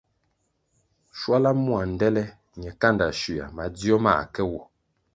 Schuala mua ndtele ñe kanda schuia madzio mãh ke wo.